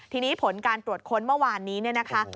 ทีนี้ผลการตรวจค้นเมื่อวานนี้เนี่ยนะคะ